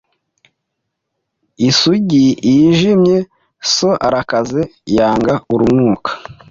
"Isugi yijimye so arakaze yanga urunuka